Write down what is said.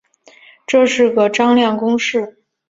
这是个张量公式。